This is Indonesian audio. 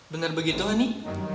bener begitu han nih